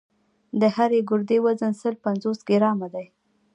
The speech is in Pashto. د هرې ګردې وزن سل پنځوس ګرامه دی.